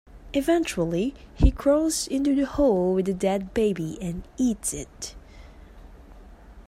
Eventually, he crawls into the hole with the dead baby and eats it.